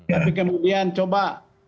tapi kemudian coba